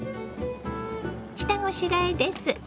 下ごしらえです。